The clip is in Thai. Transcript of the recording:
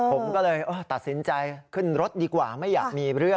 ผมก็เลยตัดสินใจขึ้นรถดีกว่าไม่อยากมีเรื่อง